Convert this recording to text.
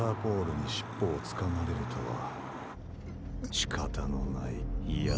しかたのないヤツだ。